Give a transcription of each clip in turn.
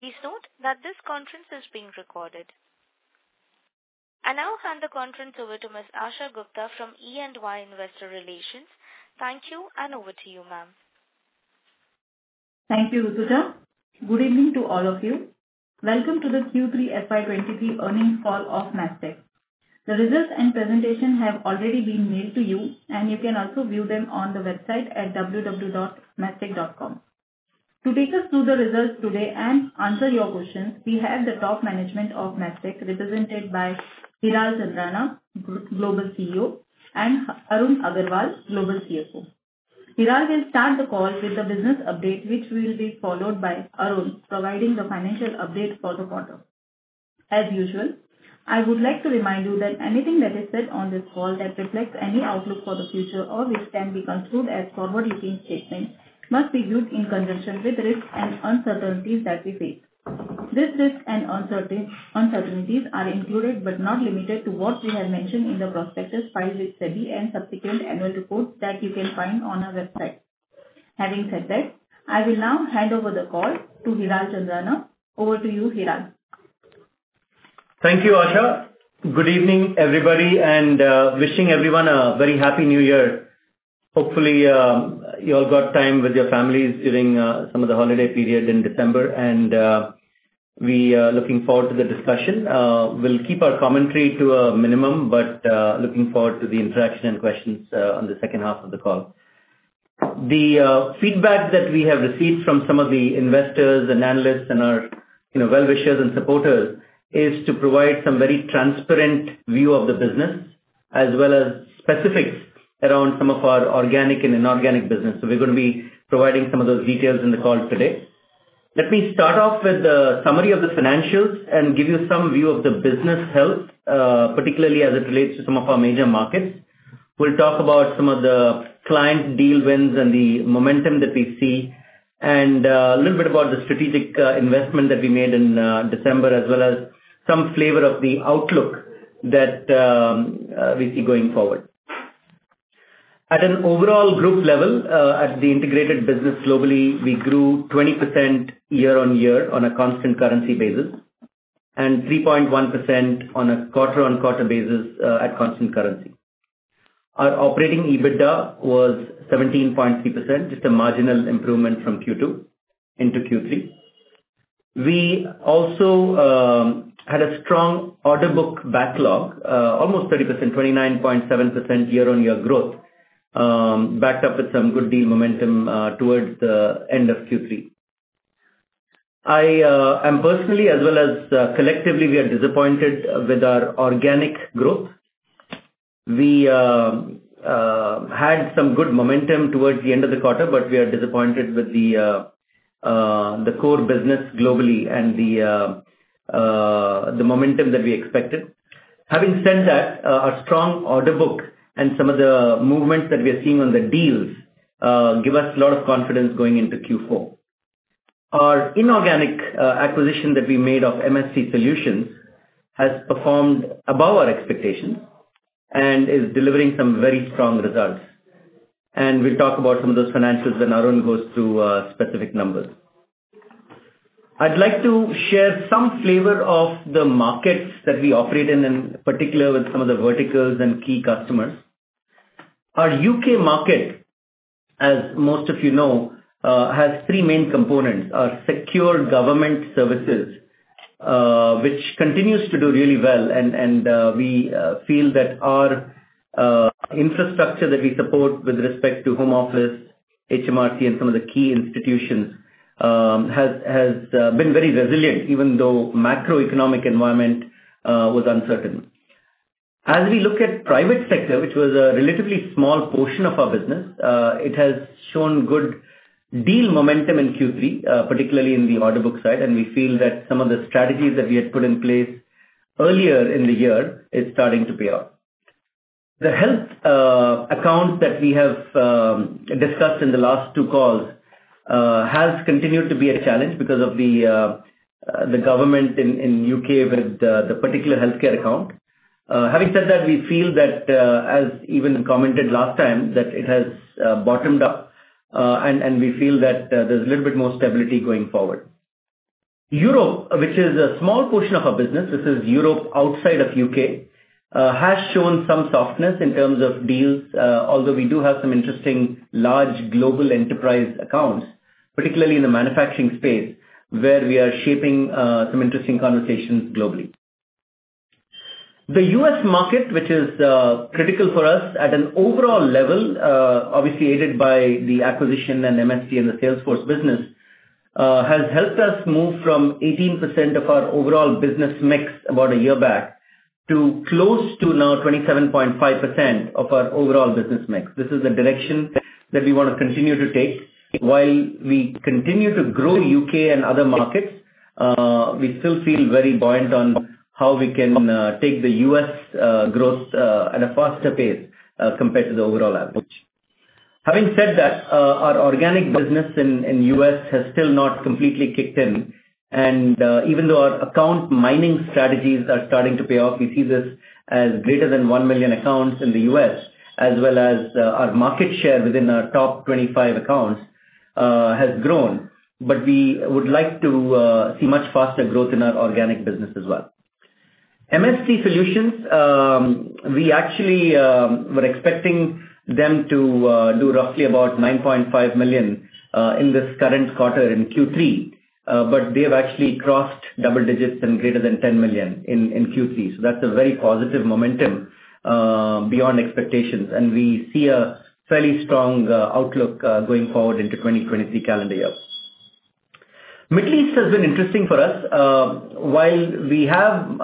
Please note that this conference is being recorded. I now hand the conference over to Ms. Asha Gupta from E&Y Investor Relations. Thank you, and over to you, ma'am. Thank you, Rutuja. Good evening to all of you. Welcome to the Q3 FY23 earnings call of Mastek. The results and presentation have already been mailed to you. You can also view them on the website at www.mastek.com. To take us through the results today and answer your questions, we have the top management of Mastek represented by Hiral Chandrana, Global CEO, and Arun Agarwal, Global CFO. Hiral will start the call with the business update, which will be followed by Arun providing the financial update for the quarter. As usual, I would like to remind you that anything that is said on this call that reflects any outlook for the future or which can be construed as forward-looking statements must be judged in conjunction with risks and uncertainties that we face. These risks and uncertainties are included, but not limited to, what we have mentioned in the prospectus filed with SEBI and subsequent annual reports that you can find on our website. Having said that, I will now hand over the call to Hiral Chandrana. Over to you, Hiral. Thank you, Asha. Good evening, everybody, and wishing everyone a very happy New Year. Hopefully, you all got time with your families during some of the holiday period in December and we are looking forward to the discussion. We'll keep our commentary to a minimum, but looking forward to the interaction and questions on the second half of the call. The feedback that we have received from some of the investors and analysts and our, you know, well-wishers and supporters is to provide some very transparent view of the business as well as specifics around some of our organic and inorganic business. We're gonna be providing some of those details in the call today. Let me start off with the summary of the financials and give you some view of the business health, particularly as it relates to some of our major markets. We'll talk about some of the client deal wins and the momentum that we see, and a little bit about the strategic investment that we made in December as well as some flavor of the outlook that we see going forward. At an overall group level, at the integrated business globally, we grew 20% year-on-year on a constant currency basis and 3.1% on a quarter-on-quarter basis, at constant currency. Our operating EBITDA was 17.3%, just a marginal improvement from Q2 into Q3. We also had a strong order book backlog, almost 30%, 29.7% year on year growth, backed up with some good deal momentum towards the end of Q3. I am personally as well as collectively, we are disappointed with our organic growth. We had some good momentum towards the end of the quarter, we are disappointed with the core business globally and the momentum that we expected. Having said that, our strong order book and some of the movements that we are seeing on the deals give us a lot of confidence going into Q4. Our inorganic acquisition that we made of MST Solutions has performed above our expectations and is delivering some very strong results, and we'll talk about some of those financials when Arun goes through specific numbers. I'd like to share some flavor of the markets that we operate in particular with some of the verticals and key customers. Our U.K. market, as most of you know, has three main components. Our secure government services, which continues to do really well and we feel that our infrastructure that we support with respect to Home Office, HMRC and some of the key institutions, has been very resilient even though macroeconomic environment was uncertain. As we look at private sector, which was a relatively small portion of our business, it has shown good deal momentum in Q3, particularly in the order book side. We feel that some of the strategies that we had put in place earlier in the year is starting to pay off. The health account that we have discussed in the last two calls has continued to be a challenge because of the government in UK with the particular healthcare account. Having said that, we feel that, as even commented last time, that it has bottomed up, and we feel that there's a little bit more stability going forward. Europe, which is a small portion of our business, this is Europe outside of UK, has shown some softness in terms of deals, although we do have some interesting large global enterprise accounts, particularly in the manufacturing space, where we are shaping, some interesting conversations globally. The US market, which is critical for us at an overall level, obviously aided by the acquisition and MST and the Salesforce business, has helped us move from 18% of our overall business mix about a year back to close to now 27.5% of our overall business mix. This is the direction that we wanna continue to take. While we continue to grow UK and other markets, we still feel very buoyant on how we can take the US growth at a faster pace, compared to the overall average. Having said that, our organic business in U.S. has still not completely kicked in. Even though our account mining strategies are starting to pay off, we see this as greater than 1 million accounts in the U.S. as well as our market share within our top 25 accounts has grown. We would like to see much faster growth in our organic business as well. MST Solutions, we actually were expecting them to do roughly about $9.5 million in this current quarter in Q3. They have actually crossed double digits and greater than $10 million in Q3. That's a very positive momentum beyond expectations. We see a fairly strong outlook going forward into 2023 calendar year. Middle East has been interesting for us. While we have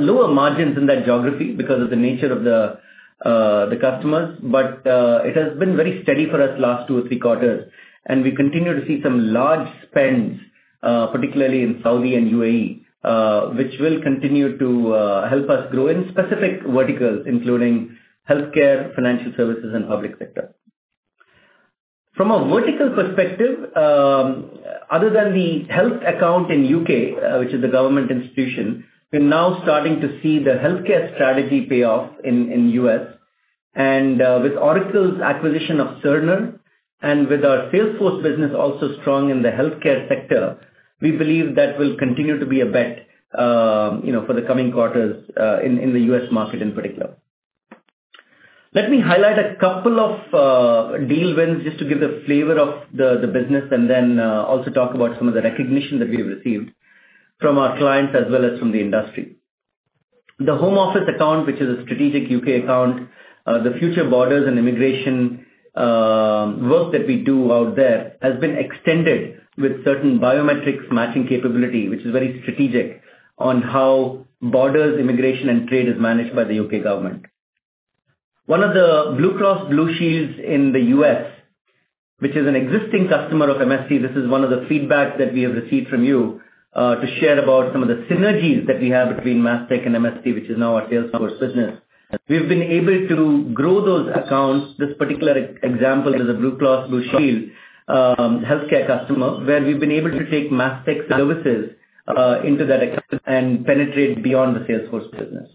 lower margins in that geography because of the nature of the customers, it has been very steady for us last 2 or 3 quarters. We continue to see some large spends particularly in Saudi and UAE, which will continue to help us grow in specific verticals, including healthcare, financial services, and public sector. From a vertical perspective, other than the health account in UK, which is a government institution, we're now starting to see the healthcare strategy pay off in US. With Oracle's acquisition of Cerner, and with our Salesforce business also strong in the healthcare sector, we believe that will continue to be a bet, you know, for the coming quarters in the US market in particular. Let me highlight a couple of deal wins just to give the flavor of the business, and then also talk about some of the recognition that we have received from our clients as well as from the industry. The Home Office account, which is a strategic UK account, the future borders and immigration work that we do out there has been extended with certain biometrics matching capability, which is very strategic on how borders, immigration, and trade is managed by the UK government. One of the Blue Cross Blue Shield in the US, which is an existing customer of MST, this is one of the feedbacks that we have received from you, to share about some of the synergies that we have between Mastek and MST, which is now our Salesforce business. We've been able to grow those accounts. This particular example is a Blue Cross Blue Shield, healthcare customer, where we've been able to take Mastek services, into that account and penetrate beyond the Salesforce business.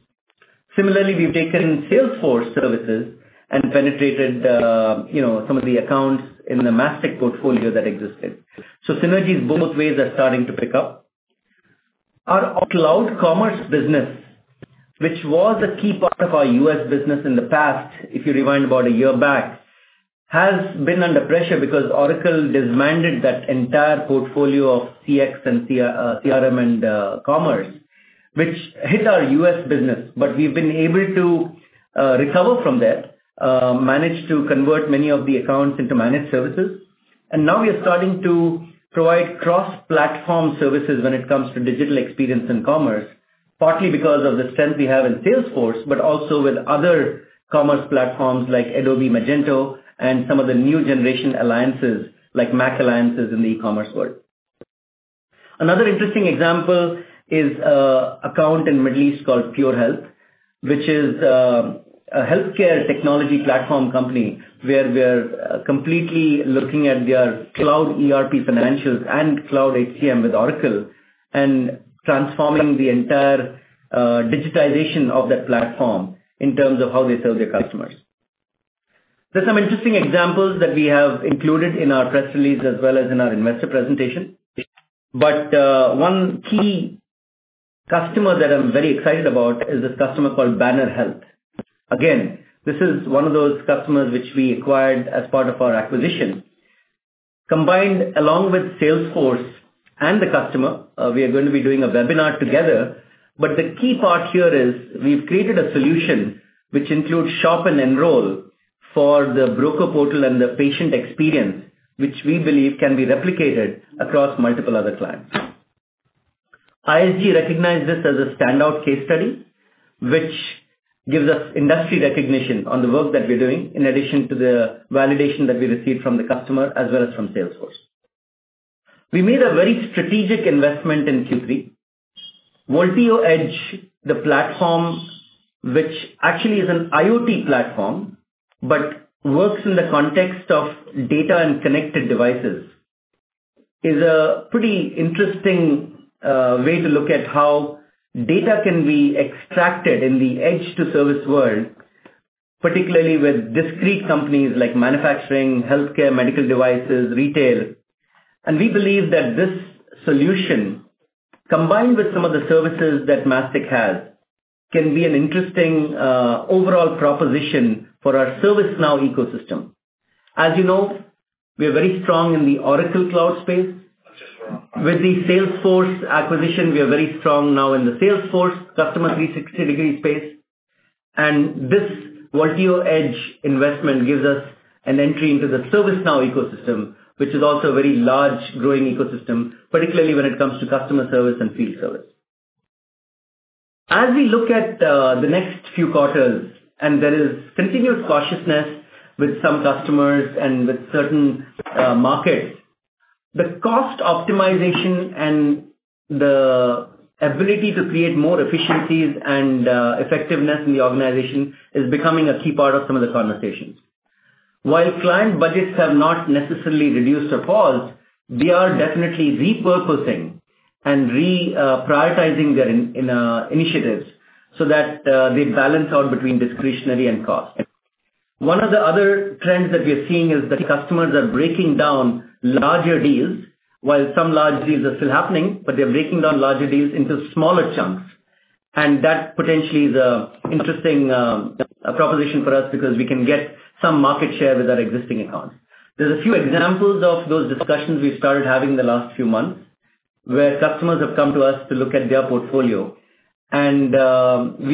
Similarly, we've taken Salesforce services and penetrated, you know, some of the accounts in the Mastek portfolio that existed. Synergies both ways are starting to pick up. Our cloud commerce business, which was a key part of our U.S. business in the past, if you rewind about a year back, has been under pressure because Oracle disbanded that entire portfolio of CX and CRM and commerce, which hit our U.S. business. We've been able to recover from that, managed to convert many of the accounts into managed services. Now we are starting to provide cross-platform services when it comes to digital experience and commerce, partly because of the strength we have in Salesforce, but also with other commerce platforms like Adobe Magento and some of the new generation alliances like MACH alliances in the e-commerce world. Another interesting example is account in Middle East called PureHealth, which is a healthcare technology platform company where we're completely looking at their cloud ERP financials and cloud HCM with Oracle, and transforming the entire digitization of that platform in terms of how they sell their customers. There's some interesting examples that we have included in our press release as well as in our investor presentation. One key customer that I'm very excited about is this customer called Banner Health. Again, this is one of those customers which we acquired as part of our acquisition. Combined along with Salesforce and the customer, we are going to be doing a webinar together. The key part here is we've created a solution which includes shop and enroll for the broker portal and the patient experience, which we believe can be replicated across multiple other clients. ISG recognized this as a standout case study, which gives us industry recognition on the work that we're doing in addition to the validation that we received from the customer as well as from Salesforce. We made a very strategic investment in Q3. VolteoEdge, the platform, which actually is an IoT platform, but works in the context of data and connected devices, is a pretty interesting way to look at how data can be extracted in the edge-to-service world, particularly with discrete companies like manufacturing, healthcare, medical devices, retail. We believe that this solution, combined with some of the services that Mastek has, can be an interesting overall proposition for our ServiceNow ecosystem. As you know, we are very strong in the Oracle cloud space. With the Salesforce acquisition, we are very strong now in the Salesforce customer 360-degree space. This VolteoEdge investment gives us an entry into the ServiceNow ecosystem, which is also a very large growing ecosystem, particularly when it comes to customer service and field service. As we look at the next few quarters, and there is continuous cautiousness with some customers and with certain markets, the cost optimization and the ability to create more efficiencies and effectiveness in the organization is becoming a key part of some of the conversations. While client budgets have not necessarily reduced or paused, they are definitely repurposing and reprioritizing their initiatives so that they balance out between discretionary and cost. One of the other trends that we are seeing is that customers are breaking down larger deals, while some large deals are still happening, but they're breaking down larger deals into smaller chunks. That potentially is a interesting proposition for us because we can get some market share with our existing accounts. There's a few examples of those discussions we started having in the last few months, where customers have come to us to look at their portfolio. We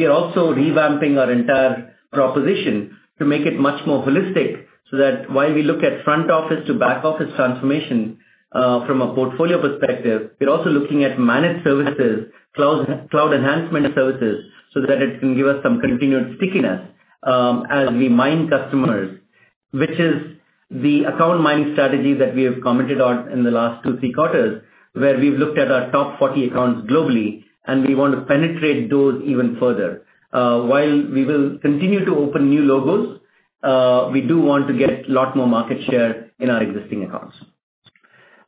are also revamping our entire proposition to make it much more holistic, so that while we look at front office to back office transformation, from a portfolio perspective, we're also looking at managed services, cloud enhancement services so that it can give us some continued stickiness, as we mine customers, which is the account mining strategy that we have commented on in the last two, three quarters, where we've looked at our top 40 accounts globally, and we want to penetrate those even further. While we will continue to open new logos, we do want to get a lot more market share in our existing accounts.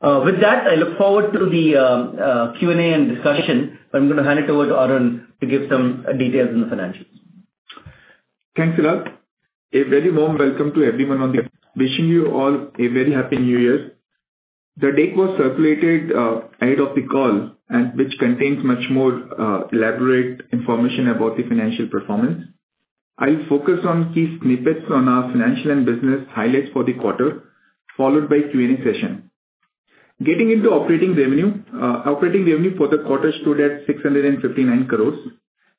With that, I look forward to the Q&A and discussion, but I'm gonna hand it over to Arun to give some details on the financials. Thanks, Hiral. A very warm welcome to everyone. Wishing you all a very happy new year. The deck was circulated ahead of the call and which contains much more elaborate information about the financial performance. I'll focus on key snippets on our financial and business highlights for the quarter, followed by Q&A session. Getting into operating revenue. Operating revenue for the quarter stood at 659 crores,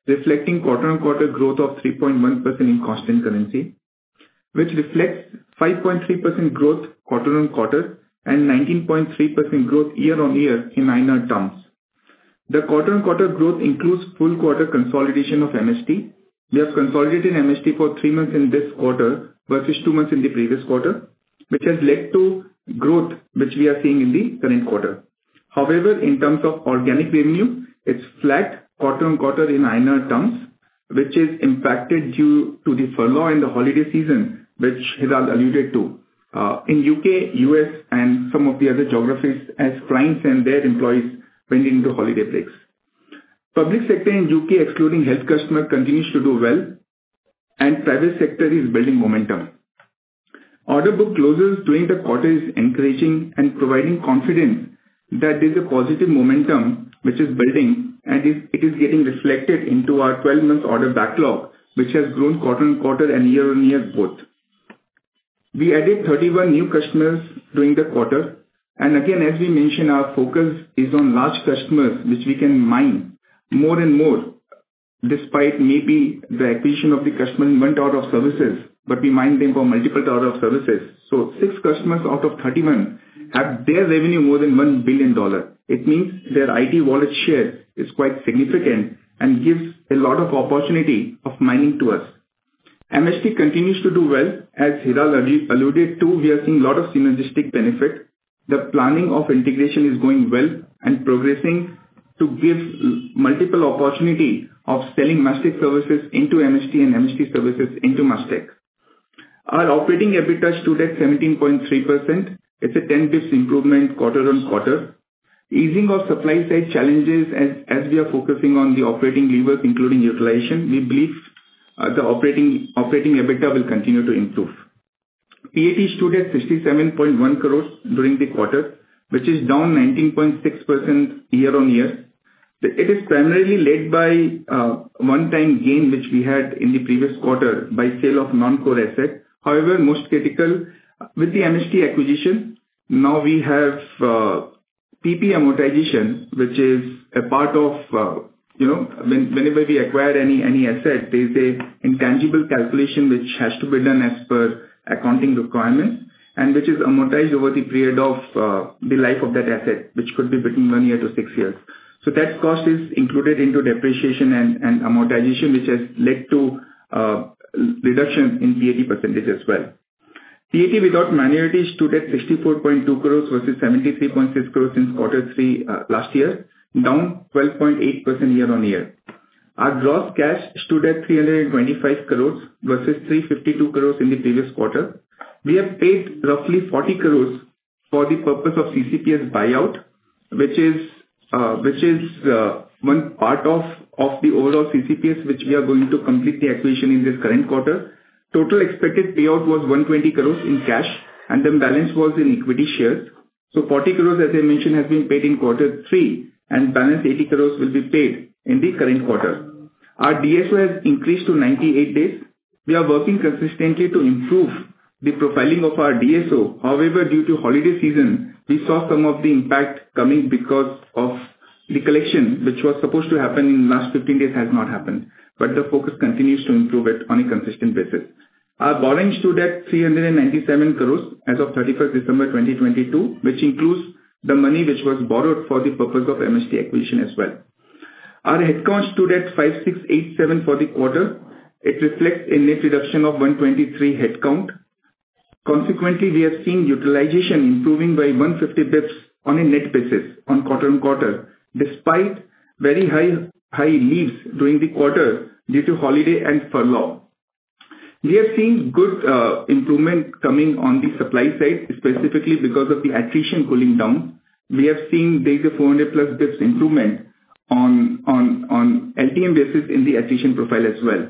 reflecting quarter-on-quarter growth of 3.1% in constant currency, which reflects 5.3% growth quarter-on-quarter and 19.3% growth year-on-year in INR terms. The quarter-on-quarter growth includes full quarter consolidation of MST. We have consolidated MST for three months in this quarter versus two months in the previous quarter, which has led to growth which we are seeing in the current quarter. However, in terms of organic revenue, it's flat quarter-on-quarter in INR terms, which is impacted due to the furlough in the holiday season, which Hiral alluded to, in U.K., U.S. and some of the other geographies as clients and their employees went into holiday breaks. Public sector in U.K., excluding health customer, continues to do well and private sector is building momentum. Order book closures during the quarter is encouraging and providing confidence that there's a positive momentum which is building and it is getting reflected into our 12-month order backlog, which has grown quarter-on-quarter and year-on-year both. We added 31 new customers during the quarter. Again, as we mentioned, our focus is on large customers, which we can mine more and more despite maybe the acquisition of the customer went out of services, but we mined them for multiple other services. Six customers out of 31 have their revenue more than INR 1 billion. It means their IT wallet share is quite significant and gives a lot of opportunity of mining to us. MST continues to do well. As Hiral Chandrana alluded to, we are seeing lot of synergistic benefit. The planning of integration is going well and progressing to give multiple opportunity of selling Mastek services into MST and MST services into Mastek. Our operating EBITA stood at 17.3%. It's a 10 basis points improvement quarter-on-quarter. Easing of supply side challenges as we are focusing on the operating levers, including utilization, we believe the operating EBITA will continue to improve. PAT stood at 67.1 crores during the quarter, which is down 19.6% year-on-year. It is primarily led by one-time gain, which we had in the previous quarter by sale of non-core asset. Most critical with the MST acquisition, now we have PP amortization, which is a part of, you know, whenever we acquire any asset there's a intangible calculation which has to be done as per accounting requirements, and which is amortized over the period of the life of that asset, which could be between one year to six years. That cost is included into depreciation and amortization, which has led to reduction in PAT percentage as well. PAT without minorities stood at 64.2 crores versus 73.6 crores in quarter three last year, down 12.8% year-on-year. Our gross cash stood at 325 crores versus 352 crores in the previous quarter. We have paid roughly 40 crores for the purpose of CCPS buyout, which is one part of the overall CCPS, which we are going to complete the acquisition in this current quarter. Total expected payout was 120 crores in cash, balance was in equity shares. 40 crores, as I mentioned, has been paid in quarter three, balance 80 crores will be paid in the current quarter. Our DSO has increased to 98 days. We are working consistently to improve the profiling of our DSO. However, due to holiday season, we saw some of the impact coming because of the collection, which was supposed to happen in last 15 days has not happened, the focus continues to improve it on a consistent basis. Our borrowing stood at 397 crores as of 31st December 2022, which includes the money which was borrowed for the purpose of MST acquisition as well. Our headcount stood at 5,687 for the quarter. It reflects a net reduction of 123 headcount. Consequently, we have seen utilization improving by 150 bits on a net basis on quarter-on-quarter, despite very high leaves during the quarter due to holiday and furlough. We have seen good improvement coming on the supply side, specifically because of the attrition cooling down. We have seen delta 400+ bits improvement. On LTM basis in the attrition profile as well.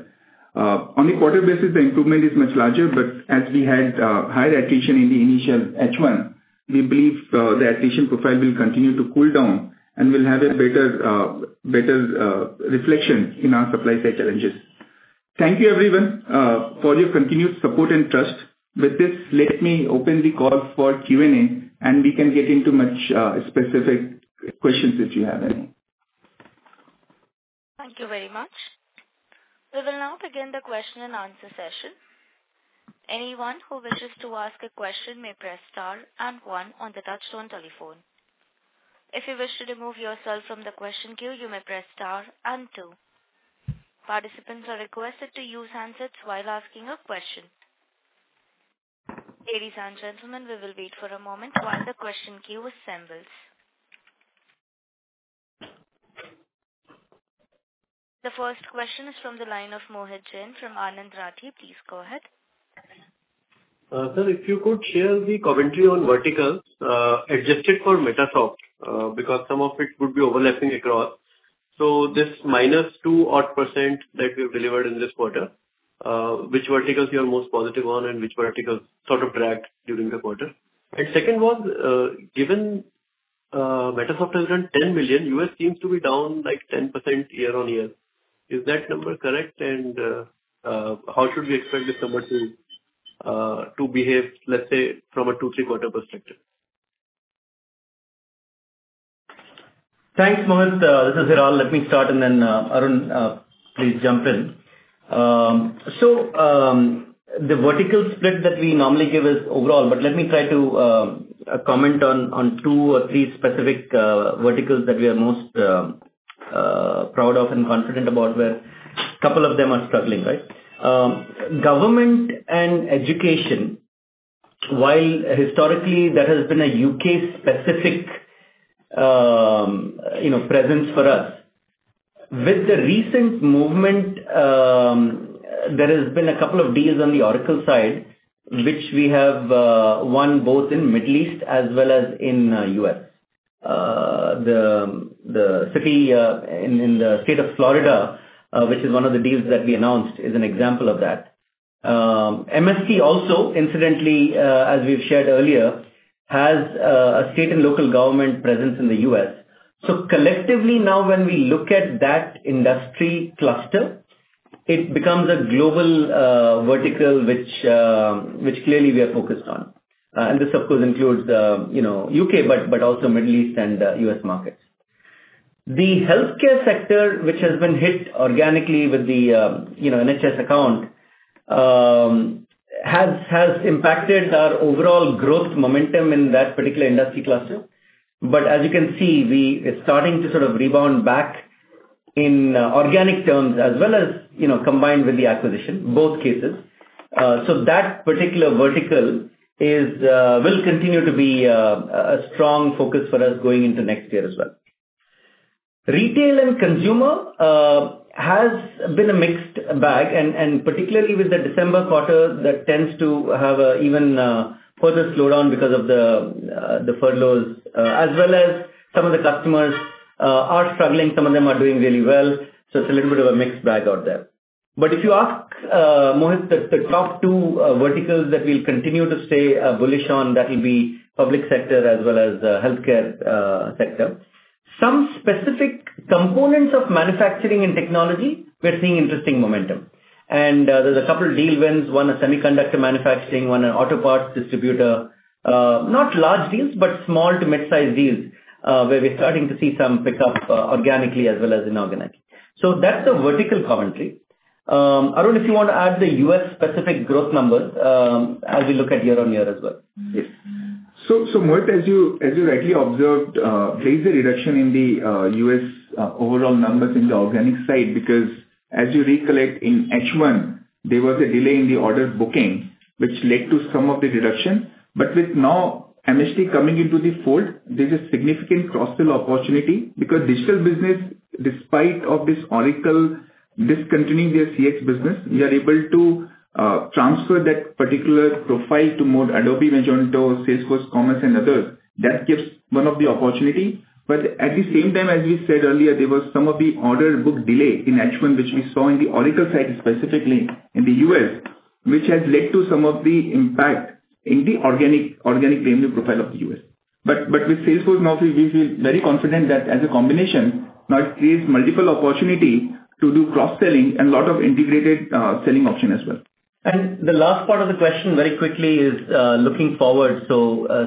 On a quarter basis, the improvement is much larger. As we had higher attrition in the initial H1, we believe the attrition profile will continue to cool down and we'll have a better reflection in our supply chain challenges. Thank you everyone for your continued support and trust. With this, let me open the call for Q&A, and we can get into much specific questions if you have any. The first question is from the line of Mohit Jain from Anand Rathi. Please go ahead. Sir, if you could share the commentary on verticals, adjusted for MetaSource, because some of it would be overlapping across. This -2% odd that we've delivered in this quarter, which verticals you are most positive on and which verticals sort of dragged during the quarter? Second one, given MetaSource has done $10 million, U.S. seems to be down like 10% year-on-year. Is that number correct? How should we expect this number to behave, let's say from a 2, 3 quarter perspective? Thanks, Mohit. This is Hiral. Let me start and then Arun, please jump in. The vertical split that we normally give is overall, but let me try to comment on two or three specific verticals that we are most proud of and confident about, where a couple of them are struggling, right? Government and education, while historically that has been a U.K.-specific, you know, presence for us. With the recent movement, there has been a couple of deals on the Oracle side, which we have won both in Middle East as well as in U.S. The city in the state of Florida, which is one of the deals that we announced, is an example of that. MST also incidentally, as we've shared earlier, has a state and local government presence in the US. Collectively now when we look at that industry cluster, it becomes a global vertical which clearly we are focused on. And this of course includes the, you know, UK, but also Middle East and US markets. The healthcare sector, which has been hit organically with the, you know, NHS account, has impacted our overall growth momentum in that particular industry cluster. But as you can see, we are starting to sort of rebound back in organic terms as well as, you know, combined with the acquisition, both cases. That particular vertical is will continue to be a strong focus for us going into next year as well. Retail and consumer has been a mixed bag and particularly with the December quarter, that tends to have a even further slowdown because of the furloughs, as well as some of the customers are struggling, some of them are doing really well. It's a little bit of a mixed bag out there. If you ask Mohit, the top two verticals that we'll continue to stay bullish on, that'll be public sector as well as healthcare sector. Some specific components of manufacturing and technology, we're seeing interesting momentum. There's a couple of deal wins. One a semiconductor manufacturing, one an auto parts distributor. Not large deals, but small to mid-size deals, where we're starting to see some pickup organically as well as inorganically. That's the vertical commentary. Arun, if you wanna add the U.S. specific growth numbers, as we look at year-on-year as well. Yes. Mohit as you rightly observed, there is a reduction in the U.S. overall numbers in the organic side because as you recollect in H1, there was a delay in the order booking, which led to some of the reduction. With now MST coming into the fold, there's a significant cross-sell opportunity because digital business, despite of this Oracle discontinuing their CX business, we are able to transfer that particular profile to more Adobe Magento, Salesforce Commerce and others. That gives one of the opportunity. At the same time, as we said earlier, there was some of the order book delay in H1, which we saw in the Oracle side, specifically in the U.S., which has led to some of the impact in the organic revenue profile of the U.S. With Salesforce now we feel very confident that as a combination now it creates multiple opportunity to do cross-selling and lot of integrated selling option as well. The last part of the question very quickly is looking forward.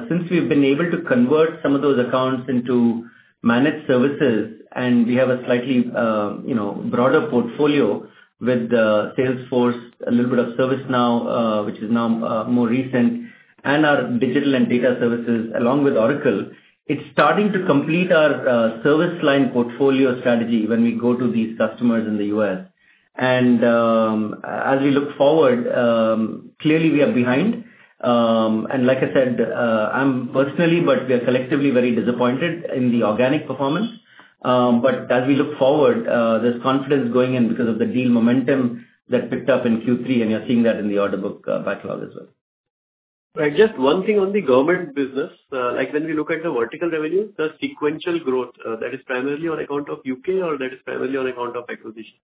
Since we've been able to convert some of those accounts into managed services, and we have a slightly, you know, broader portfolio with Salesforce, a little bit of ServiceNow, which is now more recent, and our digital and data services along with Oracle, it's starting to complete our service line portfolio strategy when we go to these customers in the U.S. As we look forward, clearly we are behind. Like I said, I'm personally, but we are collectively very disappointed in the organic performance. As we look forward, there's confidence going in because of the deal momentum that picked up in Q3, and you're seeing that in the order book backlog as well. Just one thing on the government business. like when we look at the vertical revenue, the sequential growth, that is primarily on account of U.K. or that is primarily on account of acquisitions?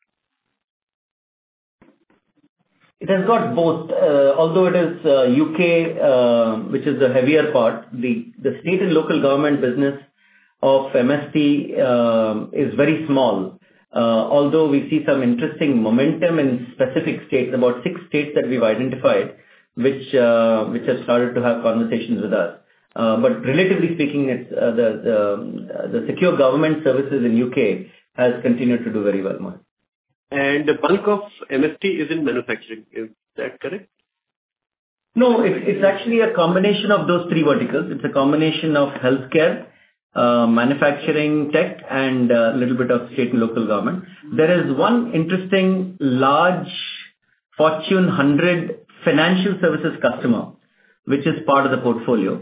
It has got both. Although it is U.K., which is the heavier part. The state and local government business of MST is very small. Although we see some interesting momentum in specific states, about six states that we've identified which have started to have conversations with us. Relatively speaking, it's the secure government services in U.K. has continued to do very well, Mohit. The bulk of MST is in manufacturing. Is that correct? It's actually a combination of those three verticals. It's a combination of healthcare, manufacturing tech and little bit of state and local government. There is one interesting large Fortune 100 financial services customer which is part of the portfolio,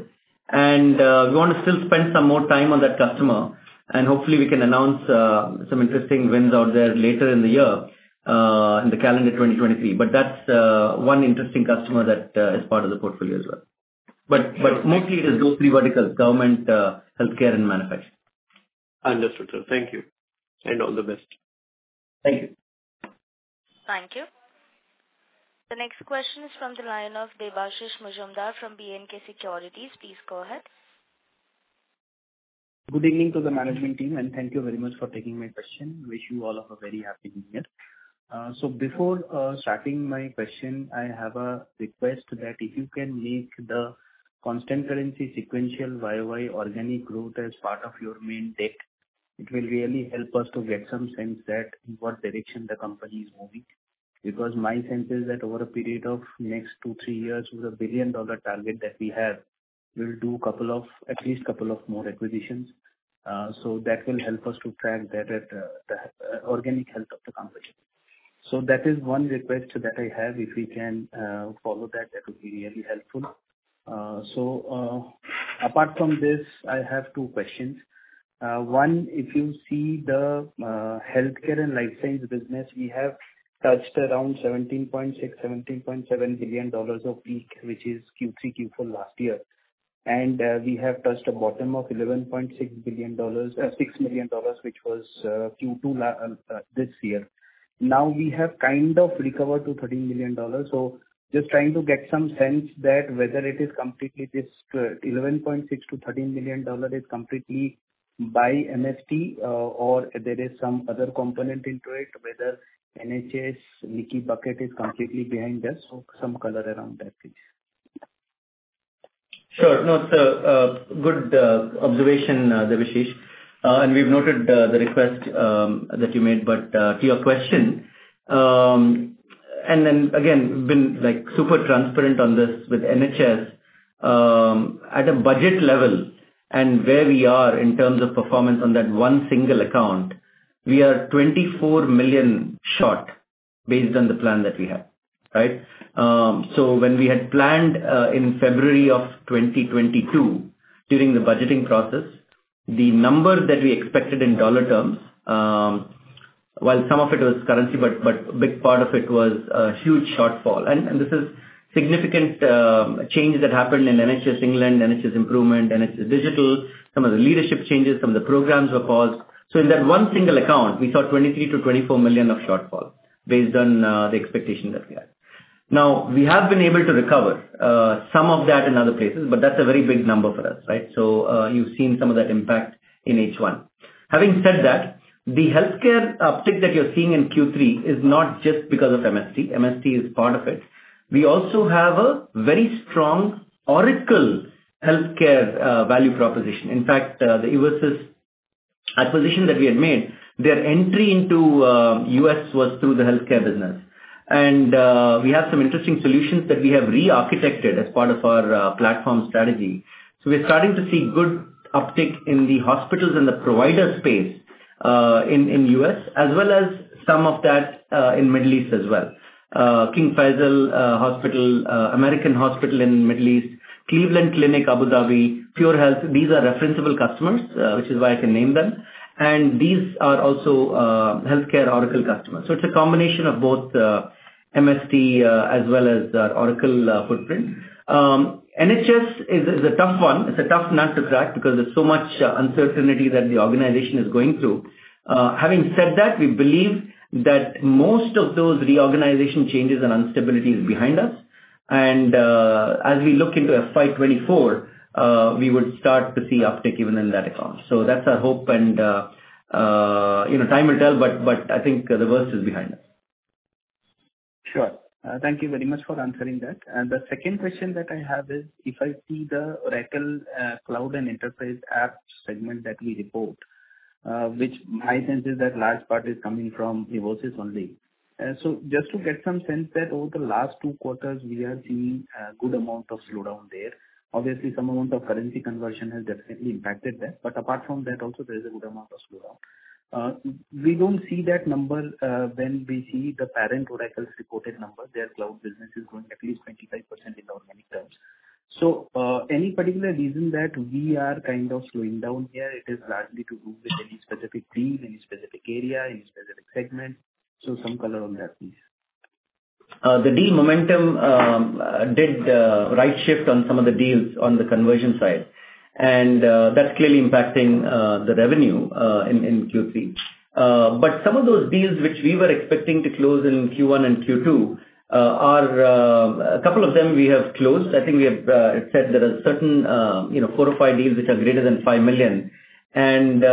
we wanna still spend some more time on that customer and hopefully we can announce some interesting wins out there later in the year, in the calendar 2023. That's one interesting customer that is part of the portfolio as well. Mostly it is those three verticals: government, healthcare and manufacturing. Understood, sir. Thank you. All the best. Thank you. Thank you. The next question is from the line of Debashish Mazumdar from B&K Securities. Please go ahead. Good evening to the management team and thank you very much for taking my question. Wish you all of a very happy new year. Before starting my question, I have a request that if you can make the constant currency sequential Y-o-Y organic growth as part of your main deck, it will really help us to get some sense that in what direction the company is moving. My sense is that over a period of next two, three years with a billion-dollar target that we have, we'll do couple of, at least couple of more acquisitions. That will help us to track better the organic health of the company. That is one request that I have. If we can follow that would be really helpful. Apart from this, I have two questions. If you see the healthcare and life science business, we have touched around $17.6 billion-$17.7 billion of peak, which is Q3, Q4 last year. We have touched a bottom of $6 million, which was Q2 this year. Now we have kind of recovered to $13 million. Just trying to get some sense that whether it is completely this $11.6 million-$13 million is completely by MST, or there is some other component into it, whether NHS leaky bucket is completely behind us. Some color around that, please. Sure. It's a good observation, Debashish, we've noted the request that you made. To your question, again, we've been like super transparent on this with NHS. At a budget level and where we are in terms of performance on that one single account, we are $24 million short based on the plan that we have, right? When we had planned in February of 2022 during the budgeting process, the number that we expected in dollar terms, while some of it was currency, big part of it was a huge shortfall. This is significant changes that happened in NHS England, NHS Improvement, NHS Digital, some of the leadership changes, some of the programs were paused. In that one single account, we saw 23 million-24 million of shortfall based on the expectation that we had. We have been able to recover some of that in other places, but that's a very big number for us, right? You've seen some of that impact in H1. Having said that, the healthcare uptick that you're seeing in Q3 is not just because of MST. MST is part of it. We also have a very strong Oracle healthcare value proposition. In fact, the Evosys acquisition that we had made, their entry into U.S. was through the healthcare business. We have some interesting solutions that we have re-architected as part of our platform strategy. We're starting to see good uptick in the hospitals and the provider space in U.S. as well as some of that in Middle East as well. King Faisal Hospital, American Hospital in Middle East, Cleveland Clinic Abu Dhabi, PureHealth, these are referenceable customers, which is why I can name them. These are also healthcare Oracle customers. It's a combination of both MST as well as Oracle footprint. NHS is a tough one. It's a tough nut to crack because there's so much uncertainty that the organization is going through. Having said that, we believe that most of those reorganization changes and instability is behind us. As we look into FY24, we would start to see uptick even in that account. That's our hope and, you know, time will tell, but I think the worst is behind us. Sure. Thank you very much for answering that. The second question that I have is if I see the Oracle cloud and enterprise app segment that we report, which my sense is that large part is coming from Evosys only. Just to get some sense that over the last two quarters we are seeing a good amount of slowdown there. Obviously some amount of currency conversion has definitely impacted that, but apart from that also there is a good amount of slowdown. We don't see that number when we see the parent Oracle's reported number. Their cloud business is growing at least 25% in organic terms. Any particular reason that we are kind of slowing down here, it is largely to do with any specific team, any specific area, any specific segment? Some color on that, please. The deal momentum did right-shift on some of the deals on the conversion side, and that's clearly impacting the revenue in Q3. Some of those deals which we were expecting to close in Q1 and Q2 are. A couple of them we have closed. I think we have said there are certain, you know, 4 or 5 deals which are greater than 5 million, and 2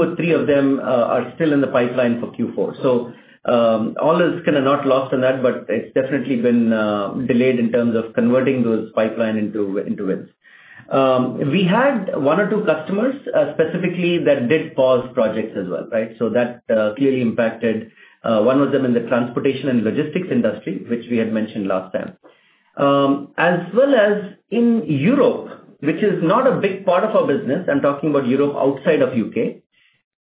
or 3 of them are still in the pipeline for Q4. All is kinda not lost on that, but it's definitely been delayed in terms of converting those pipeline into wins. We had one or two customers specifically that did pause projects as well, right? That clearly impacted one of them in the transportation and logistics industry, which we had mentioned last time. As well as in Europe, which is not a big part of our business, I'm talking about Europe outside of U.K.,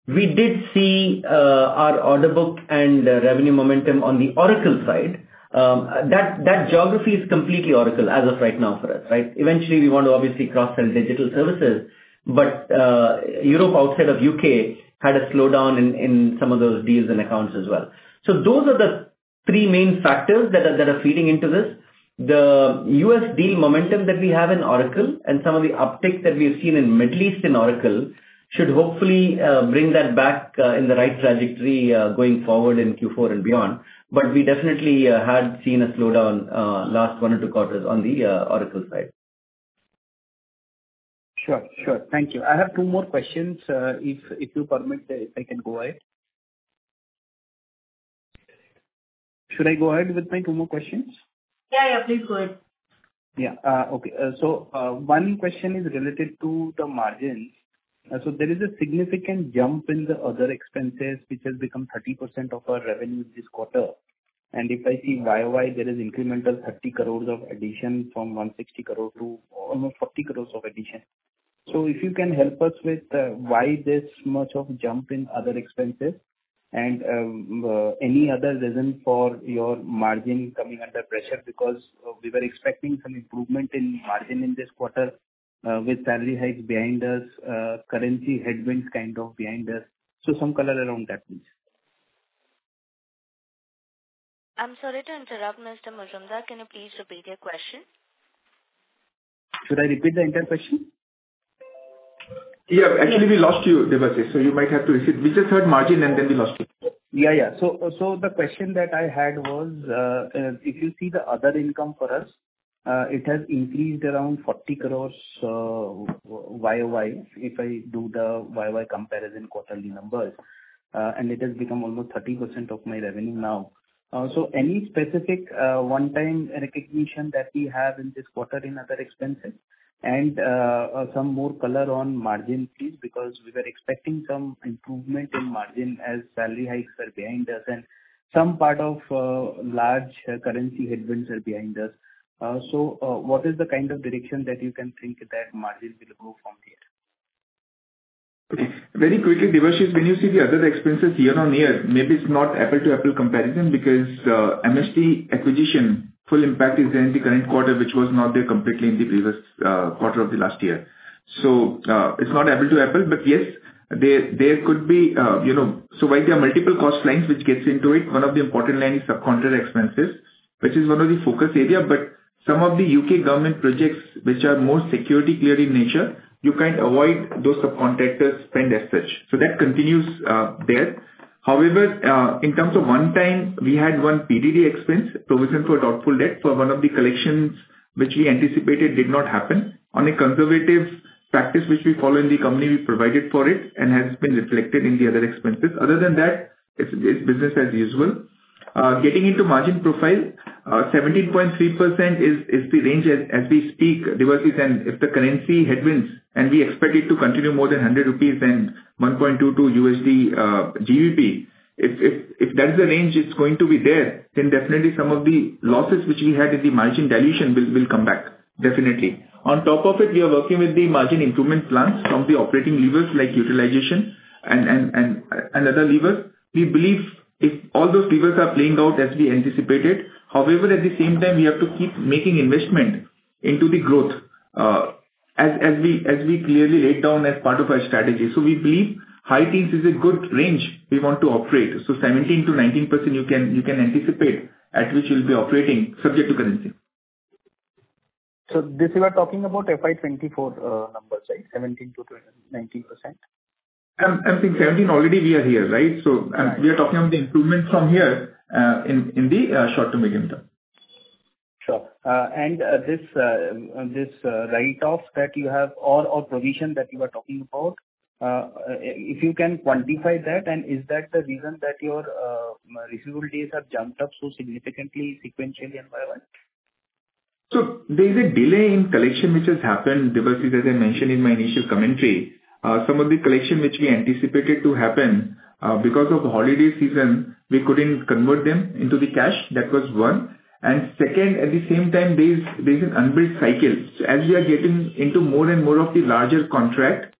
we did see our order book and revenue momentum on the Oracle side. That geography is completely Oracle as of right now for us, right? Eventually we want to obviously cross-sell digital services, Europe outside of U.K. had a slowdown in some of those deals and accounts as well. Those are the three main factors that are feeding into this. The US deal momentum that we have in Oracle and some of the uptick that we've seen in Middle East in Oracle should hopefully bring that back in the right trajectory going forward in Q4 and beyond. We definitely had seen a slowdown last 1 or 2 quarters on the Oracle side. Sure. Sure. Thank you. I have two more questions, if you permit, I can go ahead. Should I go ahead with my two more questions? Yeah, yeah. Please go ahead. One question is related to the margins. There is a significant jump in the other expenses which has become 30% of our revenue this quarter. If I see YOY, there is incremental 30 crores of addition from 160 crore to almost 40 crores of addition. If you can help us with why this much of jump in other expenses and any other reason for your margin coming under pressure, we were expecting some improvement in margin in this quarter with salary hikes behind us, currency headwinds kind of behind us. Some color around that, please. I'm sorry to interrupt, Mr. Mazumdar. Can you please repeat your question? Should I repeat the entire question? Yeah. Actually, we lost you, Debashish. You might have to repeat. We just heard margin. We lost you. Yeah. Yeah. The question that I had was, if you see the other income for us, it has increased around 40 crores, YOY, if I do the YOY comparison quarterly numbers, and it has become almost 30% of my revenue now. Any specific one-time recognition that we have in this quarter in other expenses and some more color on margin, please, because we were expecting some improvement in margin as salary hikes are behind us and some part of large currency headwinds are behind us. What is the kind of direction that you can think that margin will go from here? Okay. Very quickly, Debashis, when you see the other expenses year-on-year, maybe it's not apple-to-apple comparison because MST acquisition full impact is there in the current quarter, which was not there completely in the previous quarter of the last year. It's not apple-to-apple, but yes, there could be, you know. While there are multiple cost lines which gets into it, one of the important line is subcontractor expenses, which is one of the focus area. Some of the U.K. government projects which are more security clear in nature, you can't avoid those subcontractors spend as such. That continues there. However, in terms of one-time, we had one PDD expense provision for a doubtful debt for one of the collections which we anticipated did not happen. On a conservative practice which we follow in the company, we provided for it and has been reflected in the other expenses. Other than that, it's business as usual. Getting into margin profile, 17.3% is the range as we speak, Debashish. If the currency headwinds, and we expect it to continue more than 100 rupees and 1.22 USD, GBP, if that's the range it's going to be there, then definitely some of the losses which we had in the margin dilution will come back. Definitely. On top of it, we are working with the margin improvement plans from the operating levers like utilization and other levers. We believe if all those levers are playing out as we anticipated. At the same time, we have to keep making investment into the growth as we clearly laid down as part of our strategy. We believe high teens is a good range we want to operate. 17%-19% you can anticipate at which we'll be operating subject to currency. This you are talking about FY 24 numbers, right? 17%-90%. I think 17 already we are here, right? We are talking of the improvement from here, in the short to medium term. Sure. This write-off that you have or provision that you are talking about, if you can quantify that, and is that the reason that your receivable days have jumped up so significantly sequentially and why? There is a delay in collection which has happened, Debashish, as I mentioned in my initial commentary. Some of the collection which we anticipated to happen because of holiday season, we couldn't convert them into the cash. That was one. Second, at the same time, there is an unbilled cycle. As we are getting into more and more of the larger contract,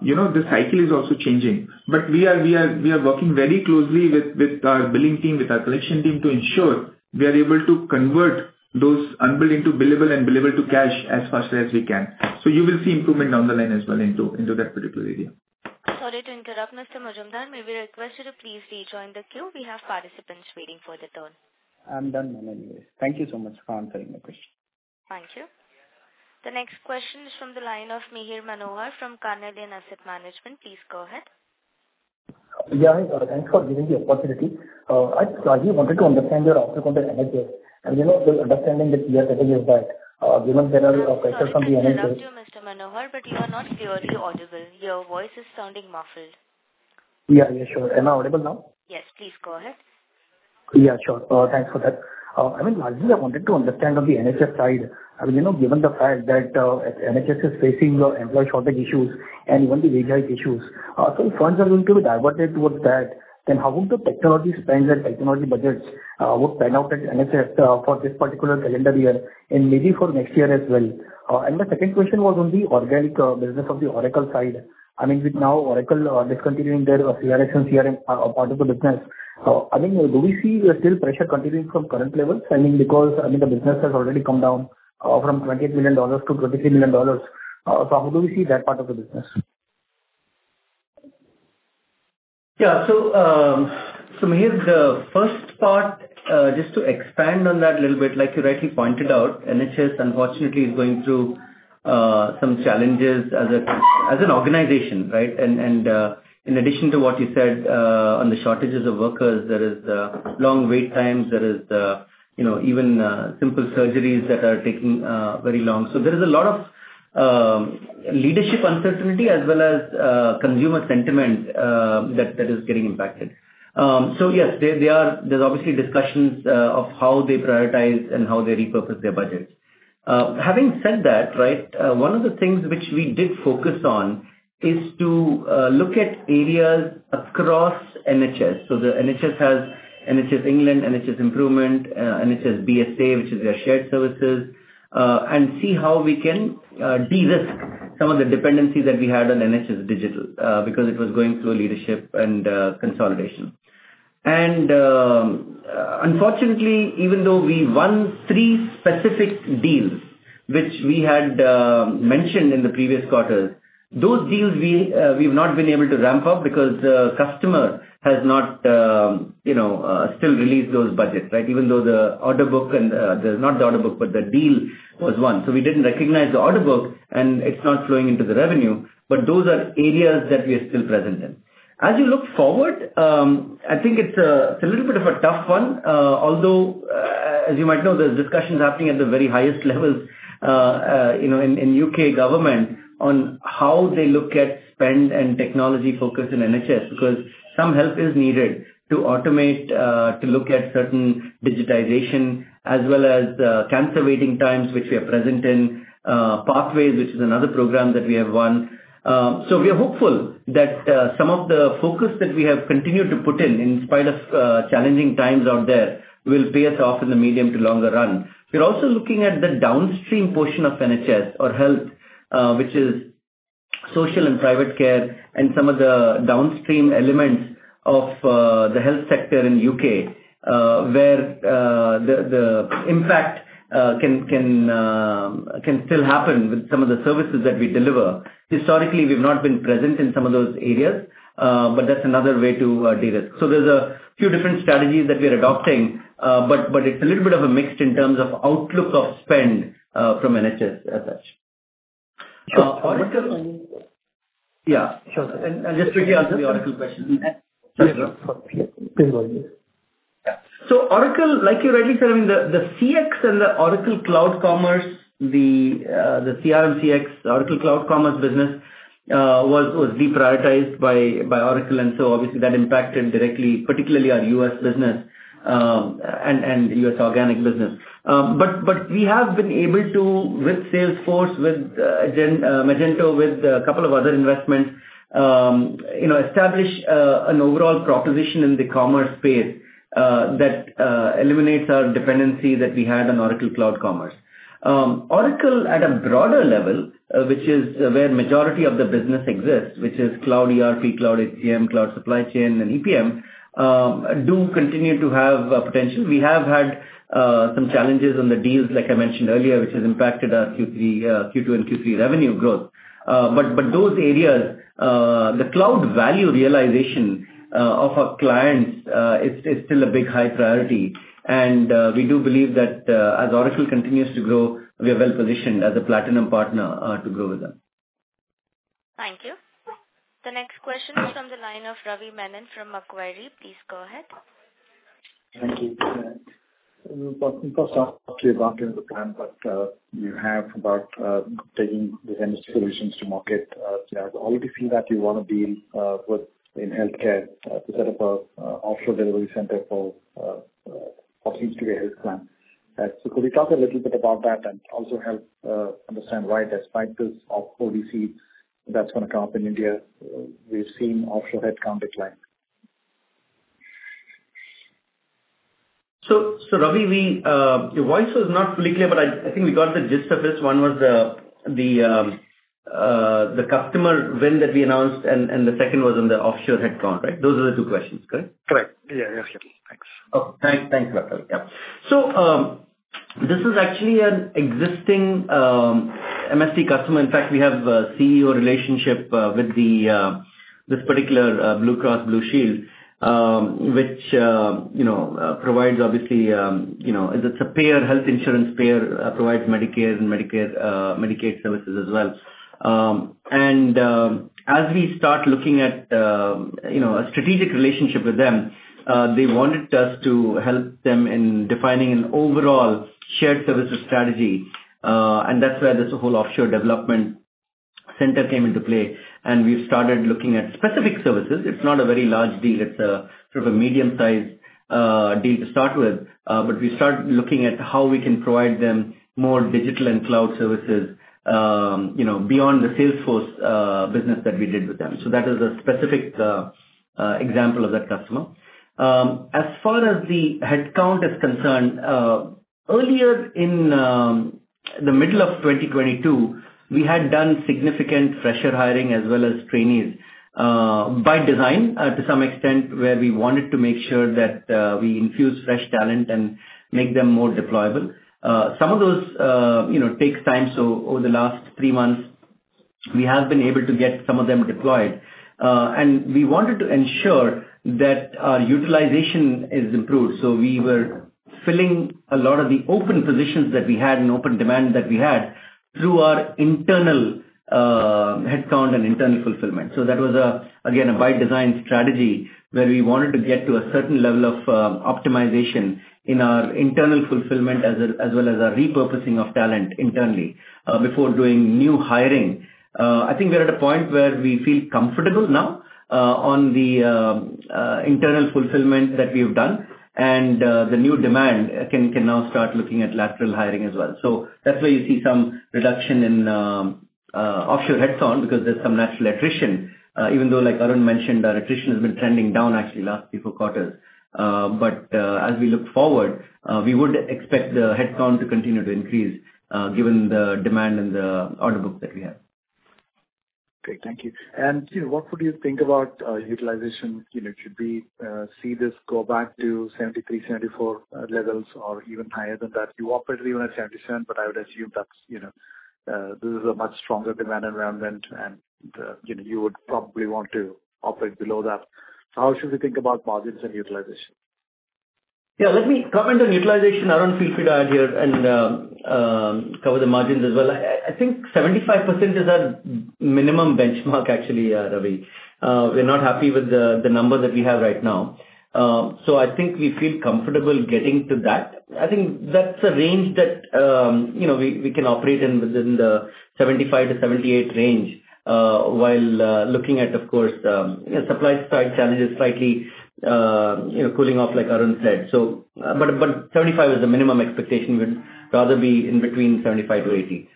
you know, the cycle is also changing. We are working very closely with our billing team, with our collection team to ensure we are able to convert those unbilled into billable and billable to cash as fast as we can. You will see improvement down the line as well into that particular area. Sorry to interrupt, Mr. Mazumdar. May we request you to please rejoin the queue. We have participants waiting for the turn. I'm done, ma'am, anyways. Thank you so much for answering my question. Thank you. The next question is from the line of Mihir Manohar from Carnelian Asset Management. Please go ahead. Yeah. thanks for giving the opportunity. I largely wanted to understand your outcome to NHS. I mean, you know, the understanding that we are getting is that, given there are pressures from the NHS- We can hear you, Mr. Manohar, but you are not clearly audible. Your voice is sounding muffled. Yeah, yeah, sure. Am I audible now? Yes. Please go ahead. Sure, thanks for that. I mean, largely, I wanted to understand on the NHS side. I mean, you know, given the fact that NHS is facing employee shortage issues and even the wage hike issues, funds are going to be diverted towards that, then how would the technology spend and technology budgets would pan out at NHS for this particular calendar year and maybe for next year as well? My second question was on the organic business of the Oracle side. I mean, with now Oracle discontinuing their CRM solution, CRM part of the business. I mean, do we see still pressure continuing from current levels? I mean, because, I mean, the business has already come down from $28 million to $23 million. How do we see that part of the business? Mihir, the first part, just to expand on that a little bit, like you rightly pointed out, NHS unfortunately is going through some challenges as an organization, right? In addition to what you said, on the shortages of workers, there is long wait times. There is, you know, even simple surgeries that are taking very long. There is a lot of leadership uncertainty as well as consumer sentiment that is getting impacted. Yes, there's obviously discussions of how they prioritize and how they repurpose their budgets. Having said that, right, one of the things which we did focus on is to look at areas across NHS. The NHS has NHS England, NHS Improvement, NHS BSA, which is their shared services, and see how we can de-risk some of the dependency that we had on NHS Digital, because it was going through a leadership and consolidation. Unfortunately, even though we won 3 specific deals, which we had mentioned in the previous quarters, those deals we've not been able to ramp up because the customer has not, you know, still released those budgets, right? Even though the order book and not the order book, but the deal was won. We didn't recognize the order book, and it's not flowing into the revenue, but those are areas that we are still present in. As you look forward, I think it's a little bit of a tough one. Although, as you might know, there's discussions happening at the very highest levels, you know, in U.K. government on how they look at spend and technology focus in NHS. Some help is needed to automate, to look at certain digitization as well as, cancer waiting times, which we are present in, Pathways, which is another program that we have won. We are hopeful that, some of the focus that we have continued to put in spite of, challenging times out there, will pay us off in the medium to longer run. We're also looking at the downstream portion of NHS or health, which is social and private care and some of the downstream elements of the health sector in UK, where the impact can still happen with some of the services that we deliver. Historically, we've not been present in some of those areas, but that's another way to de-risk. There's a few different strategies that we are adopting, but it's a little bit of a mix in terms of outlook of spend, from NHS as such. Sure. Oracle-. Yeah. Sure. Just quickly answer the Oracle question. Mm-hmm. Sorry. Please go on. Yeah. Oracle, like you rightly said, I mean, the CX and the Oracle Commerce Cloud, the CRM CX, Oracle Commerce Cloud business was deprioritized by Oracle, and so obviously that impacted directly, particularly our US business and US organic business. We have been able to with Salesforce, with Magento, with a couple of other investments, you know, establish an overall proposition in the commerce space that eliminates our dependency that we had on Oracle Commerce Cloud. Oracle at a broader level, which is where majority of the business exists, which is Cloud ERP, Cloud HCM, Cloud Supply Chain, and EPM, do continue to have potential. We have had some challenges on the deals, like I mentioned earlier, which has impacted our Q3, Q2 and Q3 revenue growth. But those areas, the cloud value realization of our clients is still a big high priority. We do believe that as Oracle continues to grow, we are well-positioned as a platinum partner to grow with them. Thank you. The next question is from the line of Ravi Menon from Macquarie. Please go ahead. Thank you. First off, actually about the plan that you have about taking the MS solutions to market. I already feel that you wanna be in healthcare to set up a offshore delivery center for Optum's today health plan. Could we talk a little bit about that and also help understand why despite this ODC that's gonna come up in India, we've seen offshore headcount decline? Ravi, we, your voice was not fully clear, but I think we got the gist of it. One was, the customer win that we announced, and the second was on the offshore headcount, right? Those are the two questions, correct? Correct. Yeah. Yes. Thanks. Okay. Thanks. Thanks, Ravi. Yeah. This is actually an existing MST customer. In fact, we have a CEO relationship with this particular Blue Cross Blue Shield, which, you know, provides obviously, you know, It's a payer, health insurance payer, provides Medicare, Medicaid services as well. As we start looking at, you know, a strategic relationship with them, they wanted us to help them in defining an overall shared services strategy. That's where this whole offshore development center came into play, and we started looking at specific services. It's not a very large deal. It's a sort of a medium-sized deal to start with. We start looking at how we can provide them more digital and cloud services, you know, beyond the Salesforce business that we did with them. That is a specific example of that customer. As far as the headcount is concerned, earlier in the middle of 2022, we had done significant fresher hiring as well as trainees, by design, to some extent, where we wanted to make sure that we infuse fresh talent and make them more deployable. Some of those, you know, takes time. Over the last 3 months, we have been able to get some of them deployed. We wanted to ensure that our utilization is improved. We were filling a lot of the open positions that we had and open demand that we had through our internal headcount and internal fulfillment. That was again, a by design strategy where we wanted to get to a certain level of optimization in our internal fulfillment as well as a repurposing of talent internally before doing new hiring. I think we're at a point where we feel comfortable now on the internal fulfillment that we have done, and the new demand can now start looking at lateral hiring as well. That's why you see some reduction in offshore headcount because there's some natural attrition. Even though like Arun mentioned, our attrition has been trending down actually last three, four quarters. As we look forward, we would expect the headcount to continue to increase, given the demand and the order book that we have. Great. Thank you. You know, what would you think about utilization? You know, should we see this go back to 73, 74 levels or even higher than that? You operate even at 77, but I would assume that's, you know, this is a much stronger demand environment and, you know, you would probably want to operate below that. How should we think about margins and utilization? Yeah. Let me cover the utilization. Arun, feel free to add here and, cover the margins as well. I think 75% is our minimum benchmark actually, Ravi. We're not happy with the number that we have right now. I think we feel comfortable getting to that. I think that's a range that, you know, we can operate in within the 75%-78% range, while looking at, of course, you know, supply side challenges slightly, you know, cooling off like Arun said. But 75% is the minimum expectation. We'd rather be in between 75%-80%.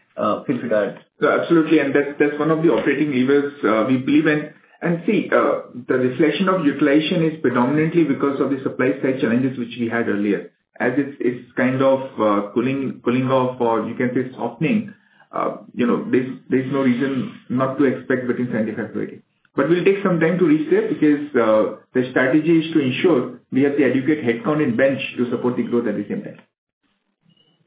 Feel free to add. No, absolutely. That's one of the operating levers, we believe in. See, the reflection of utilization is predominantly because of the supply side challenges which we had earlier. As it's kind of cooling off or you can say softening, you know, there's no reason not to expect between 75% to 80%. We'll take some time to reach there because the strategy is to ensure we have the adequate headcount in bench to support the growth that we can get.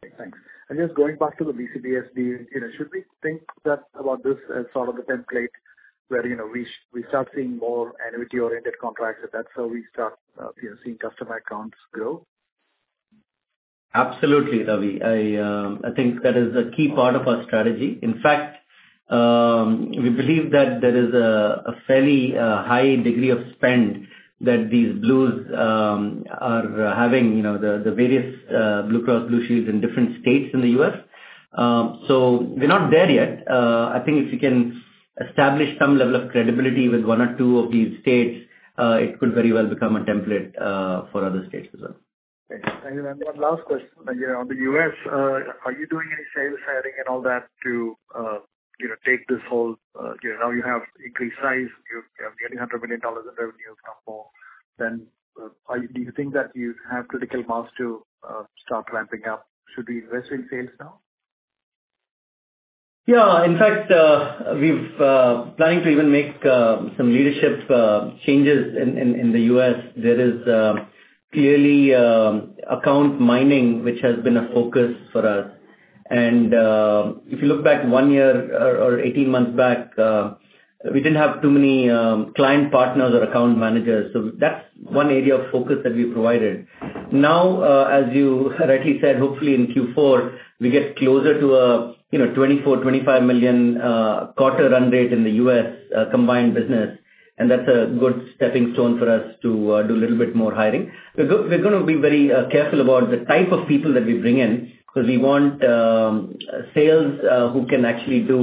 Okay, thanks. Just going back to the BCBSD, you know, should we think that about this as sort of the template where, you know, we start seeing more annuity-oriented contracts, if that's how we start, you know, seeing customer accounts grow? Absolutely, Ravi. I think that is a key part of our strategy. In fact, we believe that there is a fairly, high degree of spend that these blues, are having, you know, the various, Blue Cross Blue Shields in different states in the U.S. We're not there yet. I think if we can establish some level of credibility with one or two of these states, it could very well become a template, for other states as well. Okay. Thank you. One last question. You know, on the US, are you doing any sales hiring and all that to, you know, take this whole, you know, now you have increased size, you're getting $100 million in revenue from more then, do you think that you have critical mass to, start ramping up? Should we invest in sales now? Yeah. In fact, we've planning to even make some leadership changes in the US. There is clearly account mining, which has been a focus for us. If you look back 1 year or 18 months back, we didn't have too many client partners or account managers. That's 1 area of focus that we provided. Now, as you rightly said, hopefully in Q4, we get closer to, you know, $24 million-$25 million quarter run rate in the US combined business, that's a good stepping stone for us to do a little bit more hiring. We're gonna be very careful about the type of people that we bring in 'cause we want sales who can actually do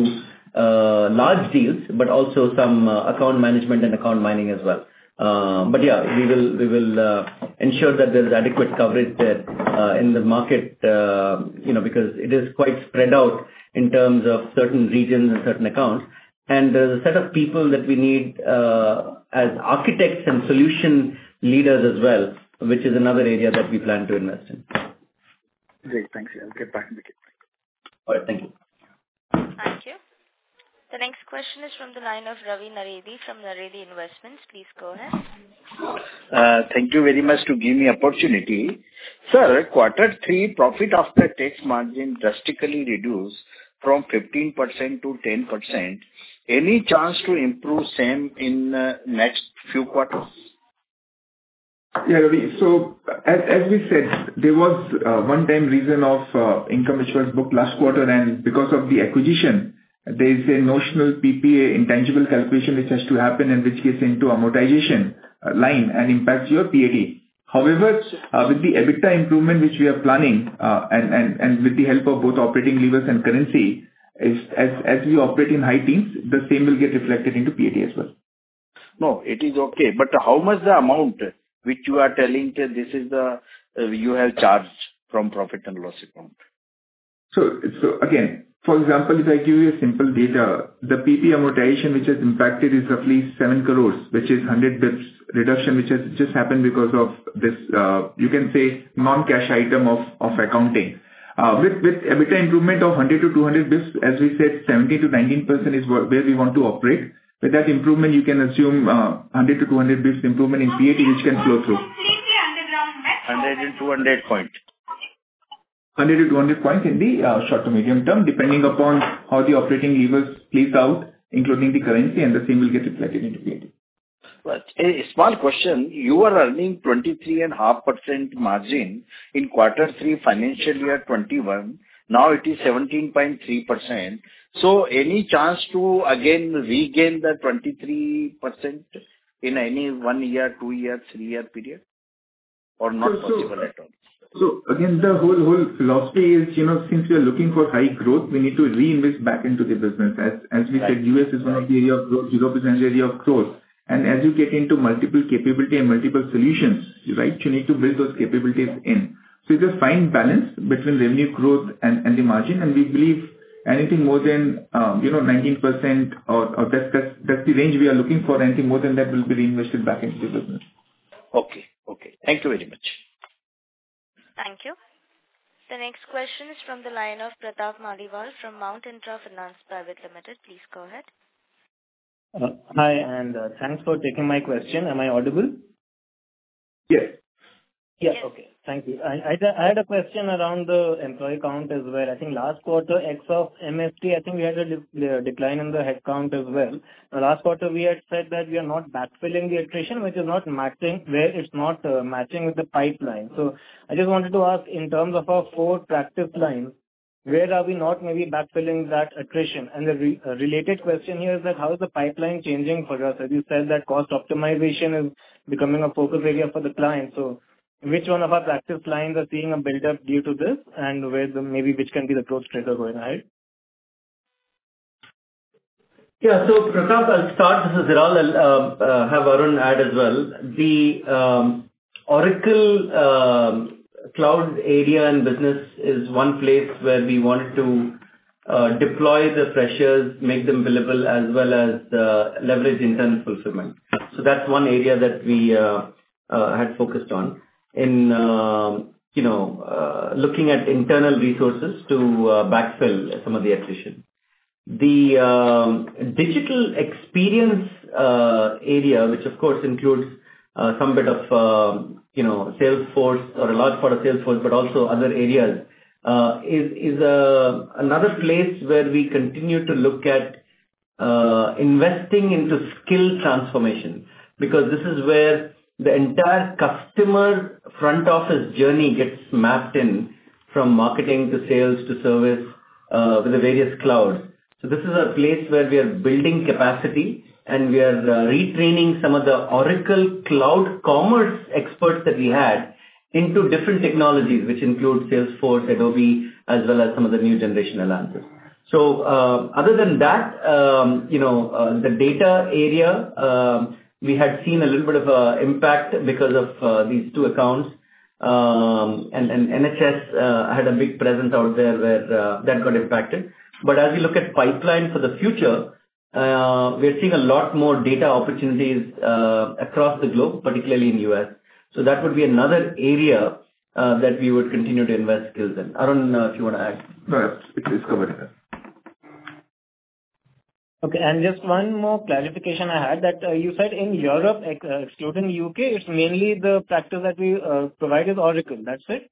large deals, but also some account management and account mining as well. But yeah, we will ensure that there's adequate coverage there in the market, you know, because it is quite spread out in terms of certain regions and certain accounts. There's a set of people that we need as architects and solution leaders as well, which is another area that we plan to invest in. Great. Thanks. I'll get back in the queue. All right. Thank you. The next question is from the line of Ravi Naredi from Naredi Investments. Please go ahead. Thank you very much to give me opportunity. Sir, quarter three profit after tax margin drastically reduced from 15% to 10%. Any chance to improve same in next few quarters? Yeah, Ravi. As we said, there was a one time reason of income which was booked last quarter, and because of the acquisition, there is a notional PPA intangible calculation which has to happen and which gets into amortization line and impacts your PAT. However, with the EBITDA improvement which we are planning, and with the help of both operating levers and currency is as we operate in high teens, the same will get reflected into PAT as well. No, it is okay. How much the amount which you are telling that this is the, you have charged from profit and loss account? Again, for example, if I give you a simple data, the PPA amortization which is impacted is roughly 7 crore, which is 100 basis points reduction, which has just happened because of this, you can say non-cash item of accounting. With EBITDA improvement of 100-200 basis points, as we said, 70%-90% is where we want to operate. With that improvement, you can assume, 100-200 basis points improvement in PAT which can flow through. 100-200 points. 100-200 points in the short to medium term, depending upon how the operating levers plays out, including the currency, and the same will get reflected into PAT. A small question, you are earning 23.5% margin in Q3 financial year 2021. Now it is 17.3%. Any chance to again regain that 23% in any one year, two year, three year period, or not possible at all? Again, the whole philosophy is, you know, since we are looking for high growth, we need to reinvest back into the business. As we said, US is one area of growth, Europe is an area of growth. As you get into multiple capability and multiple solutions, right? You need to build those capabilities in. It's a fine balance between revenue growth and the margin, and we believe anything more than, you know, 19% or that's the range we are looking for. Anything more than that will be reinvested back into the business. Okay. Okay. Thank you very much. Thank you. The next question is from the line of Pratap Maliwal from Mount Intra Finance Private Limited. Please go ahead. Hi. Thanks for taking my question. Am I audible? Yes. Yes. Okay. Thank you. I had a question around the employee count as well. I think last quarter, except MST, I think we had a decline in the headcount as well. Last quarter we had said that we are not backfilling the attrition, which is not matching where it's not matching with the pipeline. I just wanted to ask in terms of our four practice lines, where are we not maybe backfilling that attrition? The related question here is that how is the pipeline changing for us? As you said that cost optimization is becoming a focus area for the client. Which one of our practice lines are seeing a buildup due to this and where the maybe which can be the growth trigger going ahead? Yeah. Pratap, I'll start. This is Hiral. I'll have Arun add as well. The Oracle cloud area and business is one place where we wanted to deploy the freshers, make them billable, as well as leverage internal fulfillment. That's one area that we had focused on in, you know, looking at internal resources to backfill some of the attrition. The digital experience area, which of course includes some bit of, you know, Salesforce or a large part of Salesforce, but also other areas, is another place where we continue to look at investing into skill transformation. This is where the entire customer front office journey gets mapped in from marketing to sales to service with the various clouds. This is a place where we are building capacity and we are retraining some of the Oracle cloud commerce experts that we had into different technologies, which include Salesforce, Adobe as well as some of the new generational answers. Other than that, you know, the data area, we had seen a little bit of impact because of these two accounts. NHS had a big presence out there where that got impacted. As we look at pipeline for the future, we're seeing a lot more data opportunities across the globe, particularly in U.S. That would be another area that we would continue to invest skills in. Arun, if you wanna add. No. It's covered. Okay. Just one more clarification I had that, you said in Europe, excluding UK, it's mainly the practice that we provide is Oracle. That's it?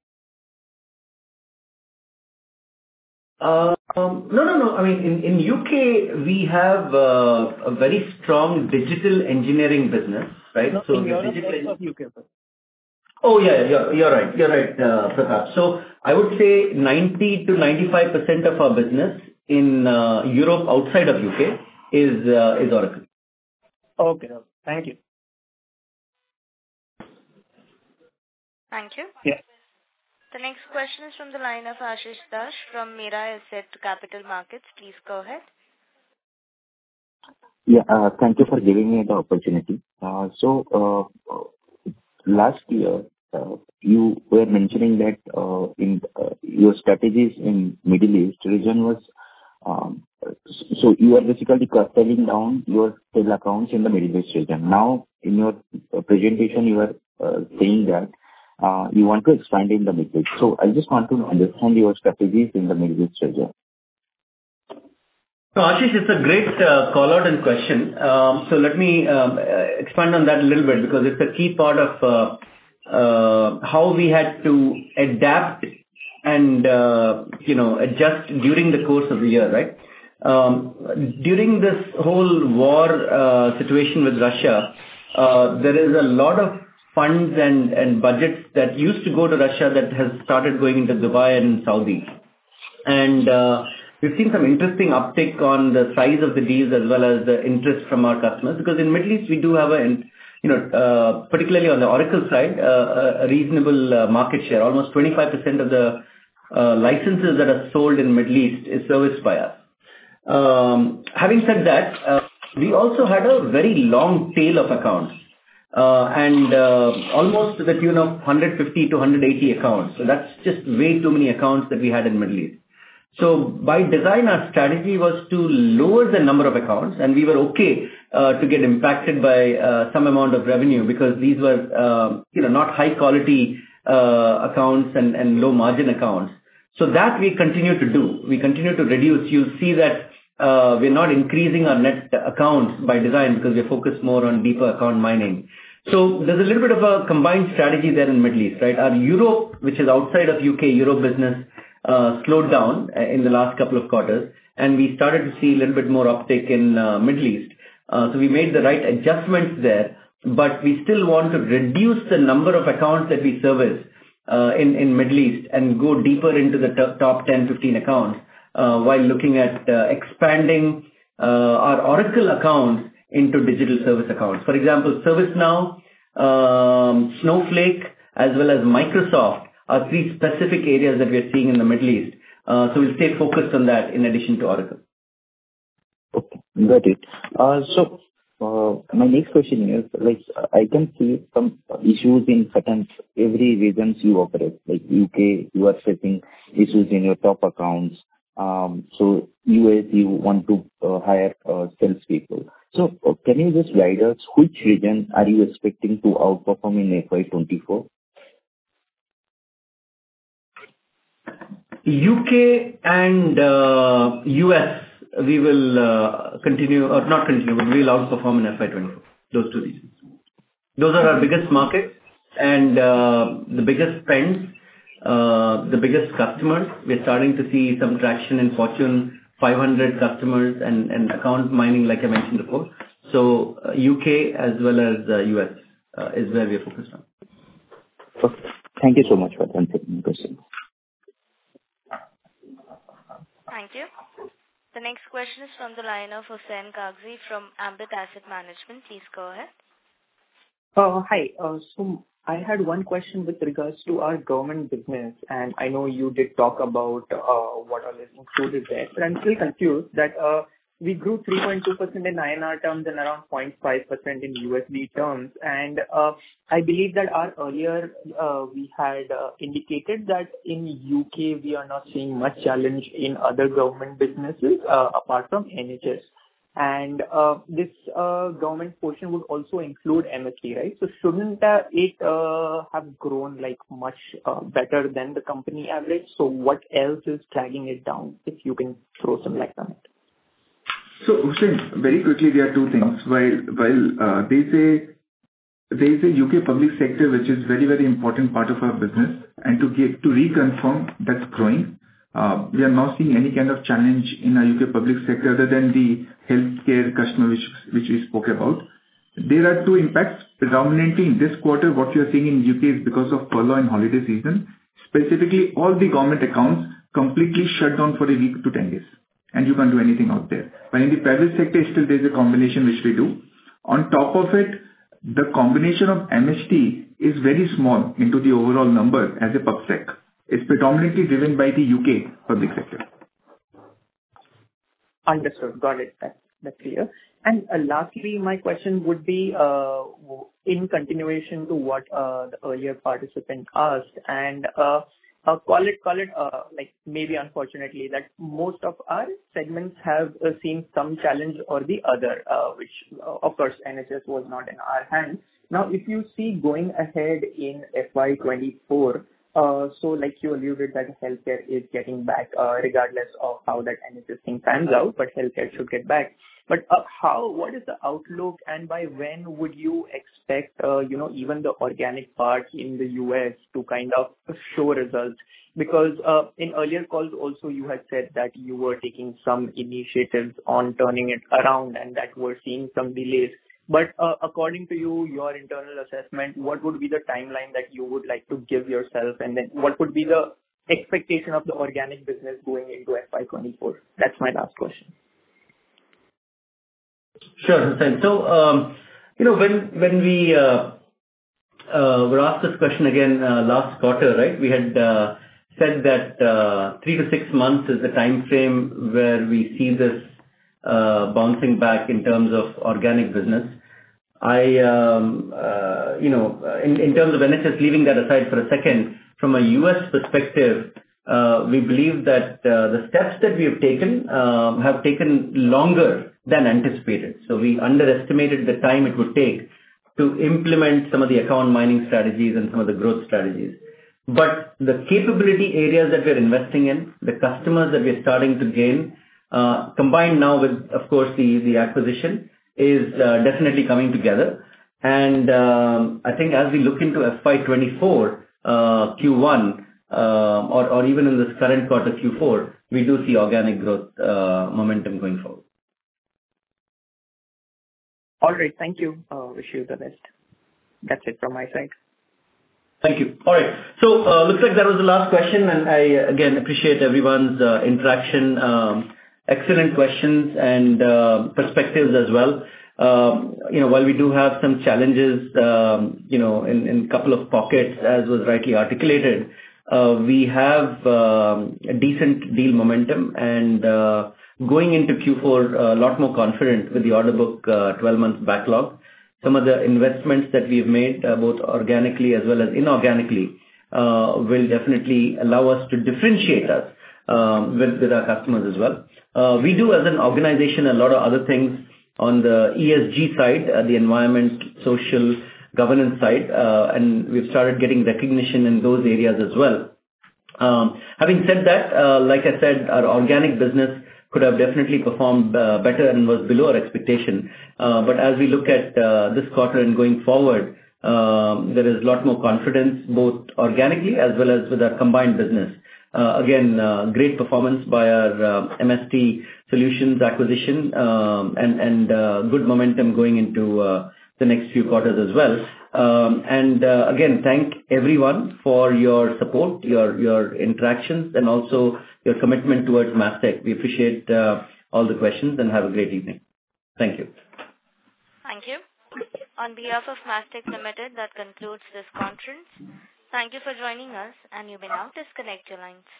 No, no. I mean, in U.K. we have a very strong digital engineering business, right? No, in Europe outside of UK. Oh, yeah, you're right. You're right, Pratap. I would say 90%-95% of our business in Europe outside of UK is Oracle. Okay. Thank you. Thank you. Yeah. The next question is from the line of Ashish Dave from Mirae Asset Capital Markets. Please go ahead. Yeah. Thank you for giving me the opportunity. Last year, you were mentioning that in your strategies in Middle East region was, so you are basically cutting down your sales accounts in the Middle East region. Now, in your presentation, you are saying that you want to expand in the Middle East. I just want to understand your strategies in the Middle East region. Ashish, it's a great call-out and question. Let me expand on that a little bit because it's a key part of how we had to adapt and, you know, adjust during the course of the year, right? During this whole war situation with Russia, there is a lot of funds and budgets that used to go to Russia that has started going into Dubai and Saudi. We've seen some interesting uptick on the size of the deals as well as the interest from our customers. Because in Middle East we do have a, and, you know, particularly on the Oracle side, a reasonable market share. Almost 25% of the licenses that are sold in Middle East is serviced by us. Having said that, we also had a very long tail of accounts, almost to the tune of 150 to 180 accounts. That's just way too many accounts that we had in Middle East. By design, our strategy was to lower the number of accounts, and we were okay to get impacted by some amount of revenue because these were, you know, not high quality accounts and low margin accounts. That we continue to do. We continue to reduce. You'll see that we're not increasing our net accounts by design because we're focused more on deeper account mining. There's a little bit of a combined strategy there in Middle East, right? Our Europe, which is outside of U.K., Europe business, slowed down in the last couple of quarters, and we started to see a little bit more uptick in Middle East. We made the right adjustments there, but we still want to reduce the number of accounts that we service in Middle East and go deeper into the top 10-15 accounts, while looking at expanding our Oracle accounts into digital service accounts. For example, ServiceNow, Snowflake as well as Microsoft are 3 specific areas that we are seeing in the Middle East. We'll stay focused on that in addition to Oracle. Okay. Got it. My next question is, I can see some issues in certain every regions you operate. UK, you are facing issues in your top accounts. US, you want to hire salespeople. Can you just guide us which region are you expecting to outperform in FY24? U.K and U.S. we will, continue. Not continue. We'll outperform in FY 2024. Those two regions. Those are our biggest markets and, the biggest spends, the biggest customers. We are starting to see some traction in Fortune 500 customers and account mining, like I mentioned before. U.K. as well as, U.S., is where we are focused on. Okay. Thank you so much for answering the question. Thank you. The next question is from the line of Hussain Kagzi from Ambit Asset Management. Please go ahead. Hi. So I had one question with regards to our government business, and I know you did talk about what are the exclusives there. I'm still confused that we grew 3.2% in INR terms and around 0.5% in USD terms. I believe that earlier we had indicated that in U.K. we are not seeing much challenge in other government businesses apart from NHS. This government portion would also include MST, right? Shouldn't that it have grown, like, much better than the company average? What else is dragging it down? If you can throw some light on it. Husain, very quickly, there are two things. While there's a U.K. public sector, which is very important part of our business, and to reconfirm, that's growing. We are not seeing any kind of challenge in our U.K. public sector other than the healthcare customer which we spoke about. There are two impacts. Predominantly in this quarter, what you're seeing in U.K. is because of Purim holiday season, specifically all the government accounts completely shut down for a week to 10 days, and you can't do anything out there. In the private sector, still there's a combination which we do. On top of it, the combination of MST is very small into the overall number as a pubsec. It's predominantly driven by the U.K. public sector. Understood. Got it. That's clear. Lastly, my question would be in continuation to what the earlier participant asked, I'll call it, like maybe unfortunately that most of our segments have seen some challenge or the other, which of course NHS was not in our hands. If you see going ahead in FY 2024, like you alluded that healthcare is getting back, regardless of how that NHS thing pans out, but healthcare should get back. What is the outlook and by when would you expect, you know, even the organic part in the U.S. to kind of show results? In earlier calls also you had said that you were taking some initiatives on turning it around and that we're seeing some delays. According to you, your internal assessment, what would be the timeline that you would like to give yourself? what would be the expectation of the organic business going into FY 2024? That's my last question. Sure, Hussain. You know, when we were asked this question again, last quarter, right? We had said that 3 to 6 months is the timeframe where we see this bouncing back in terms of organic business. I, you know, in terms of NHS, leaving that aside for a second, from a U.S. perspective, we believe that the steps that we have taken have taken longer than anticipated. We underestimated the time it would take. To implement some of the account mining strategies and some of the growth strategies. The capability areas that we're investing in, the customers that we're starting to gain, combined now with, of course, the acquisition, is definitely coming together. I think as we look into FY 24, Q1, or even in this current quarter, Q4, we do see organic growth momentum going forward. All right. Thank you. I'll wish you the best. That's it from my side. Thank you. All right. Looks like that was the last question, and I, again, appreciate everyone's interaction. Excellent questions and perspectives as well. You know, while we do have some challenges, you know, in couple of pockets, as was rightly articulated, we have a decent deal momentum and going into Q4 a lot more confident with the order book, 12 months backlog. Some of the investments that we've made, both organically as well as inorganically, will definitely allow us to differentiate us with our customers as well. We do as an organization, a lot of other things on the ESG side, the environment, social governance side, and we've started getting recognition in those areas as well. Having said that, like I said, our organic business could have definitely performed better and was below our expectation. As we look at this quarter and going forward, there is a lot more confidence, both organically as well as with our combined business. Again, great performance by our MST Solutions acquisition and good momentum going into the next few quarters as well. Again, thank everyone for your support, your interactions, and also your commitment towards Mastek. We appreciate all the questions, and have a great evening. Thank you. Thank you. On behalf of Mastek Limited, that concludes this conference. Thank you for joining us, and you may now disconnect your lines.